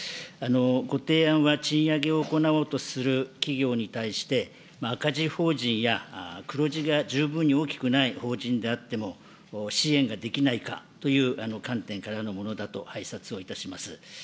ご提案は、賃上げを行おうとする企業に対して、赤字法人や黒字が十分に大きくない法人であっても、支援ができないかという観点からのものだと拝察をいたします。